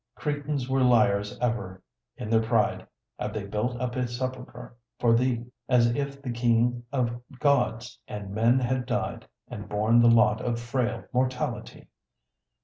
Cretans were liars ever: in their pride Have they built up a sepulchre for thee; As if the King of Gods and men had died, And borne the lot of frail mortality.